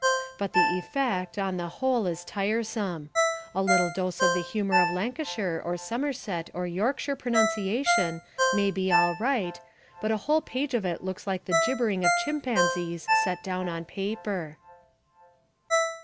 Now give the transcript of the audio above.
But the effect, on the whole, is tiresome. A little dose of the humour of Lancashire or Somerset or Yorkshire pronunciation may be all right, but a whole page of it looks like the gibbering of chimpanzees set down on paper.